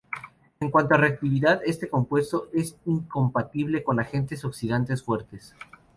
En cuanto a reactividad, este compuesto es incompatible con agentes oxidantes fuertes.